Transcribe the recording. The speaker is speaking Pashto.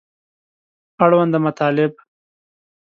اړونده مطالب